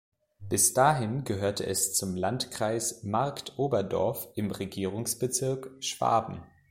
Bis dahin gehörte es zum Landkreis Marktoberdorf im Regierungsbezirk Schwaben.